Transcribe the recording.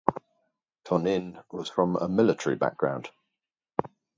Tonyn was from a military background.